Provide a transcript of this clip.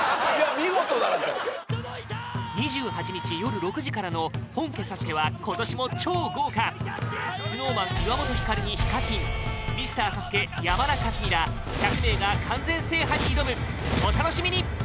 見事だった２８日夜６時からの本家ＳＡＳＵＫＥは今年も超豪華ＳｎｏｗＭａｎ岩本照にヒカキンミスターＳＡＳＵＫＥ山田勝己ら１００名が完全制覇に挑むお楽しみに！